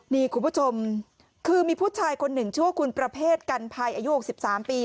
นี่คุณผู้ชมคือมีผู้ชายคนหนึ่งชื่อว่าคุณประเภทกันภัยอายุ๖๓ปี